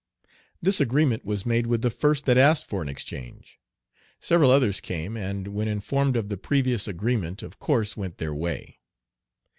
This agreement was made with the first that asked for an exchange. Several others came, and, when informed of the previous agreement, of course went their way.